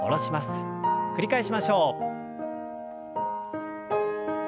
繰り返しましょう。